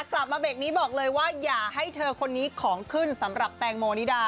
กลับมาเบรกนี้บอกเลยว่าอย่าให้เธอคนนี้ของขึ้นสำหรับแตงโมนิดา